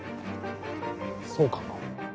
そうかな？